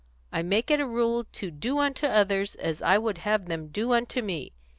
I make it a rule to do unto others as I would have them do unto me.